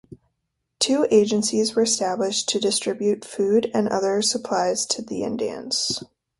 Two agencies were established to distribute food and other supplies to the Indians.